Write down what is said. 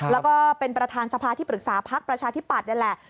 แล้วก็เป็นประธานสภาที่ปรึกษาพักประชาธิปัตย์นี่แหละ